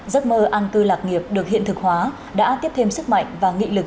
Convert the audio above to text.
giấc mơ an cư lạc nghiệp được hiện thực hóa đã tiếp thêm sức mạnh và nghị lực